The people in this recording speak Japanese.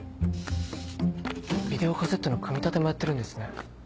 ビデオカセットの組み立てもやってるんですね。